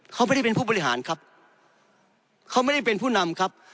เขาไม่ได้เป็นผู้บริหารครับเขาไม่ได้เป็นผู้นำครับ